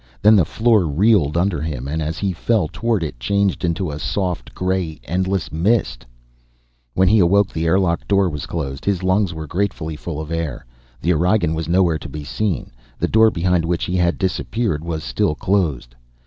Then the floor reeled under him, and, as he fell toward it, changed into a soft gray endless mist.... When he awoke, the airlock door was closed. His lungs were gratefully full of air. The Aurigean was nowhere to be seen; the door behind which he had disappeared was still closed.